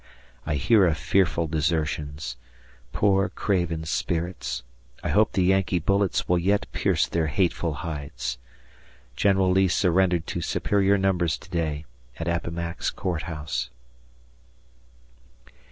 ... I hear of fearful desertions. Poor craven spirits, I hope the Yankee bullets will yet pierce their hateful hides. General Lee surrendered to superior numbers to day at Appomattox Court House.